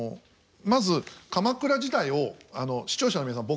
まず鎌倉時代を視聴者の皆さん